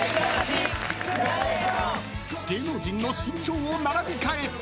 芸能人の身長を並び替え。